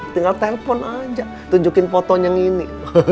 tinggal telepon aja tunjukin fotonya gini